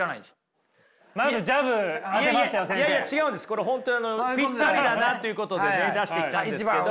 これ本当ピッタリだなということでね出してきたんですけど。